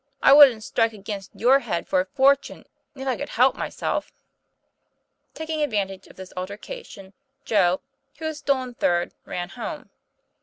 I wouldn't strike against your head for a fortune, if I could help myself." Taking advantage of this altercation, Joe, who had stolen third, ran home.